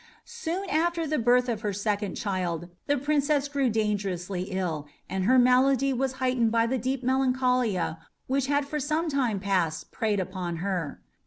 Soon after the birth of her second child the Princess grew dangerously ill, and her malady was heightened by the deep melancholia which had for some time past preyed upon her.